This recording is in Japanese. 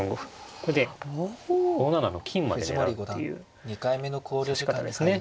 これで５七の金まで狙うっていう指し方ですね。